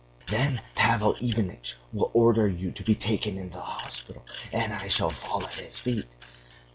Then Pavel Ivanitch will order you to be taken into the hospital, and I shall fall at his feet....